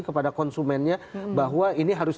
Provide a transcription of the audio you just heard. kepada konsumennya bahwa ini harus